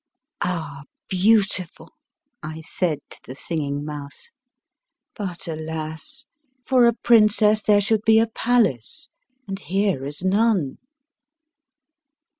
"Ah, beautiful!" I said to the Singing Mouse. "But alas! for a princess there should be a palace, and here is none!"